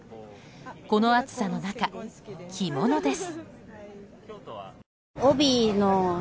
この暑さの中、着物です。